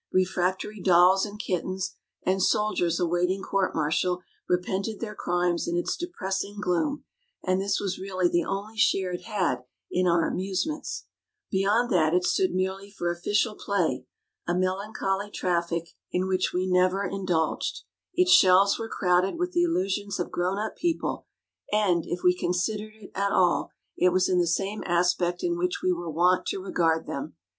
Refractory dolls and kittens, and soldiers awaiting court martial, repented their crimes in its depressing gloom, and this was really the only share it had in our amusements. Beyond that it stood merely for official "play," a melancholy traffic in 62 THE DAY BEFORE YESTERDAY which we never indulged. Its shelves were crowded with the illusions of grown up people, and, if we considered it at all, it was in the same aspect in which we were wont to regard them.